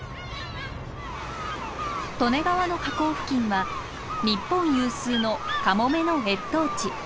利根川の河口付近は日本有数のカモメの越冬地。